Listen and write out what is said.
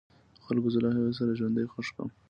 خلکو زه له هغې سره ژوندی خښ کړم.